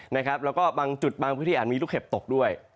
แล้วก็บางจุดบางพื้นที่อาจมีลูกเห็บตกด้วย